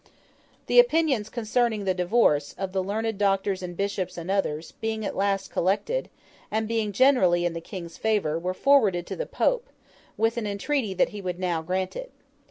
The opinions concerning the divorce, of the learned doctors and bishops and others, being at last collected, and being generally in the King's favour, were forwarded to the Pope, with an entreaty that he would now grant it.